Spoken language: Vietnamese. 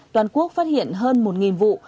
toàn quốc phát hiện hơn một vụ